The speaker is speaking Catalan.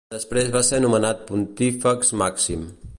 Després va ser nomenat Pontífex Màxim.